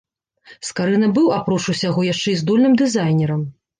Скарына быў, апроч усяго, яшчэ і здольным дызайнерам.